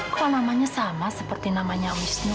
kok namanya sama seperti namanya wisnu